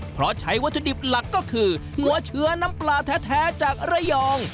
เพราะใช้วัตถุดิบหลักก็คือหัวเชื้อน้ำปลาแท้จากระยอง